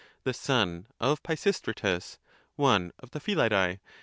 the son of Pisistratus, one of the Philaide